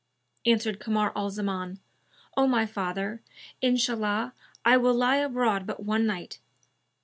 '" Answered Kamar al Zaman, "O my father, Inshallah, I will lie abroad but one night!"